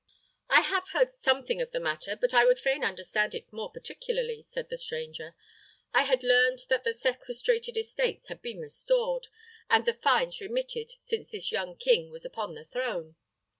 "I have heard something of the matter, but I would fain understand it more particularly," said the stranger. "I had learned that the sequestrated estates had been restored, and the fines remitted, since this young king was upon the throne."